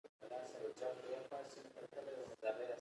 هغوی دې تشریفاتو ته پوره پام او پاملرنه کوله.